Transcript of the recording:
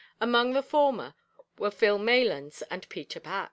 Among the former were Phil Maylands and Peter Pax.